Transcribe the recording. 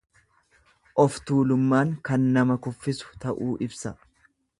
Of tuulummaan kan nama kuffisu ta'uu ibsa.